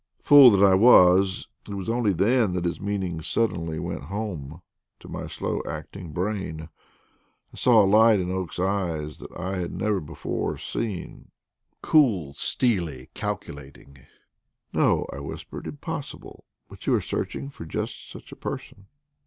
Fool that I was, it was only then that his meaning suddenly went home to my slow acting brain. I saw a light in Oakes's eyes that I had never seen before cool, steely, calculating. "No," I whispered; "impossible! but you are searching for just such a person."